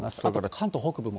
関東北部も。